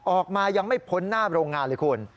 ออกมายังไม่พ้นหน้าโรงงานเลยคุณ